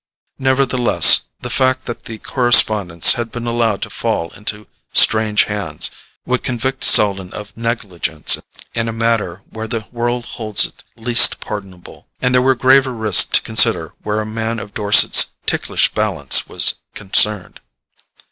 Nevertheless, the fact that the correspondence had been allowed to fall into strange hands would convict Selden of negligence in a matter where the world holds it least pardonable; and there were graver risks to consider where a man of Dorset's ticklish balance was concerned.